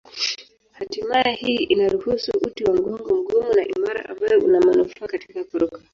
Hatimaye hii inaruhusu uti wa mgongo mgumu na imara ambayo una manufaa katika kuruka.